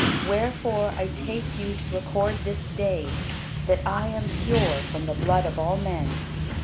Wherefore I take you to record this day, that I am pure from the blood of all men.